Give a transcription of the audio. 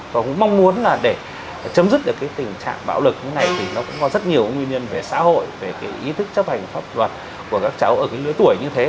và cũng mong muốn là để chấm dứt được cái tình trạng bạo lực như thế này thì nó cũng có rất nhiều nguyên nhân về xã hội về cái ý thức chấp hành pháp luật của các cháu ở cái lứa tuổi như thế